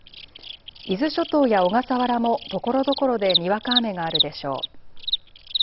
伊豆諸島や小笠原もところどころでにわか雨があるでしょう。